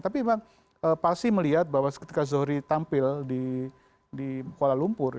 tapi memang pasti melihat bahwa ketika zohri tampil di kuala lumpur